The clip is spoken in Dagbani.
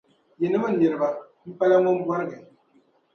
Yinim’ n niriba! M-pala ŋun bɔrigi.